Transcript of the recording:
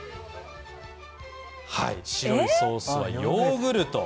白いソースはヨーグルト。